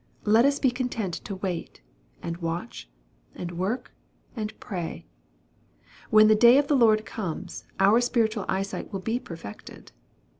Let us be content to wait, and watch, and work, and pray. When the day of the Lord comes, our spiritual eyesight will be perfected.